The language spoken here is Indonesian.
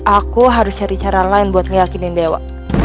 aku harus cari cara lain buat ngeyakinin dewa